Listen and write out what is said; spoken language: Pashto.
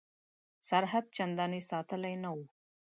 سرحد چنداني ساتلی نه وو.